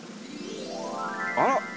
あら？